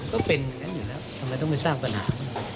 ก็เป็นอยู่แล้วทำไมต้องไปสร้างปัญหา